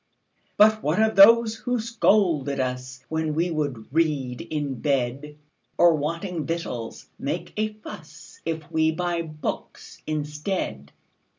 "But what of those who scold at usWhen we would read in bed? Or, wanting victuals, make a fussIf we buy books instead?